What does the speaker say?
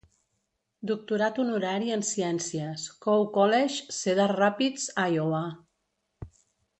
Doctorat honorari en Ciències, Coe College, Cedar Rapids, Iowa.